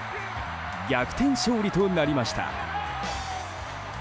逆転勝利となりました。